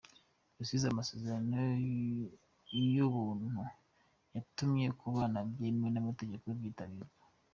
Rusizi Amasezerano y’Ubuntu yatumye kubana byemewe n’amategeko byitabirwa